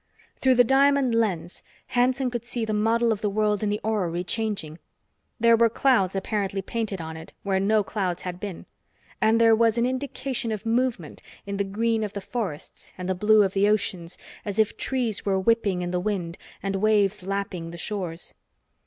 Through the diamond lens, Hanson could see the model of the world in the orrery changing. There were clouds apparently painted on it where no clouds had been. And there was an indication of movement in the green of the forests and the blue of the oceans, as if trees were whipping in the wind and waves lapping the shores.